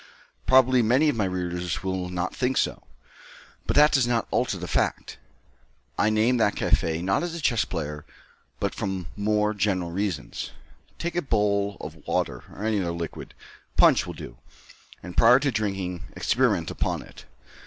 Probably many of my readers will not think so, but that does not alter the fact. I name that café, not as a chess player, but from more general reasons. Take a bowl of water or any other liquid punch will do and, prior to drinking, experiment upon it.